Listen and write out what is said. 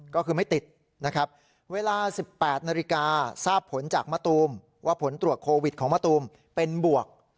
ก็คือไม่ติดนะครับเวลา๑๘นาฬิกาทราบผลจากมะตูมว่าผลตรวจโควิดของมะตูมเป็นบวก